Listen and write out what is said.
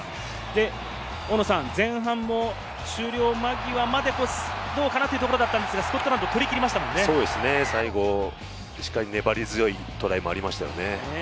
前半も終了間際まで、どうかな？というところだったんですが、スコットランド、取り切最後粘り強いトライもありました。